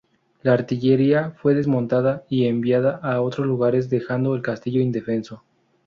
La artillería fue desmontada y enviada a otros lugares, dejando el castillo indefenso.